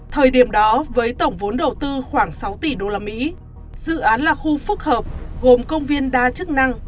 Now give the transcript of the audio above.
thời điểm đó với tổng vốn đầu tư khoảng sáu tỷ usd dự án là khu phức hợp gồm công viên đa chức năng